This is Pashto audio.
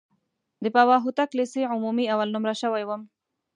د بابا هوتک لیسې عمومي اول نومره شوی وم.